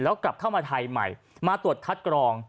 แล้วกลับเข้ามาไทยใหม่มาตรวจคัดกรอง